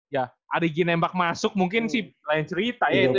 ya arigi nembak masuk mungkin sih lain cerita ya itu ya